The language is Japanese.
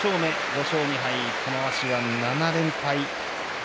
５勝２敗、玉鷲は７連敗。